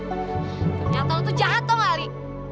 ternyata lo tuh jahat dong ali